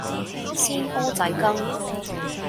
鮮蚵仔羹